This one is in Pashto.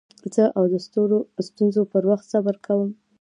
زه د ستونزو پر وخت صبر کوم.